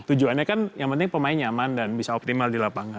tujuannya kan yang penting pemain nyaman dan bisa optimal di lapangan